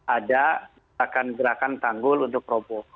ada gerakan tanggul untuk propo